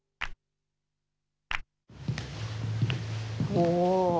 お！